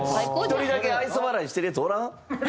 １人だけ愛想笑いしてるヤツおらん？